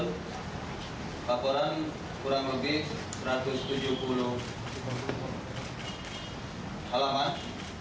laporan kurang lebih satu ratus tujuh puluh halaman